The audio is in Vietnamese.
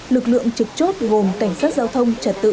lực lượng trực chốt gồm cảnh sát giao thông trật tự